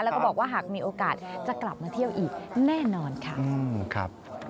แล้วก็บอกว่าหากมีโอกาสจะกลับมาเที่ยวอีกแน่นอนค่ะ